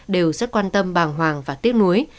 đều rất quan tâm bàng hoàng và tiếc nuối